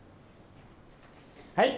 はい。